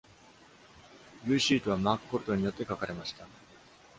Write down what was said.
ビューシートはマーク・コルトンによって書かれました。